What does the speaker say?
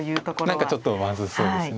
何かちょっとまずそうです。